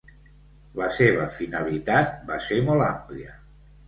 La seva finalitat va ser molt àmplia.